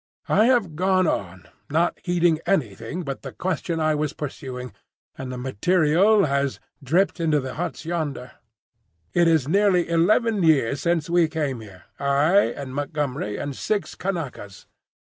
I have gone on, not heeding anything but the question I was pursuing; and the material has—dripped into the huts yonder. It is nearly eleven years since we came here, I and Montgomery and six Kanakas.